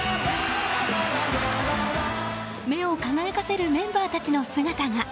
目を輝かせるメンバーたちの姿が。